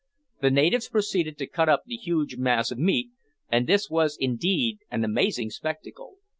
The natives proceeded to cut up the huge mass of meat, and this was indeed an amazing spectacle.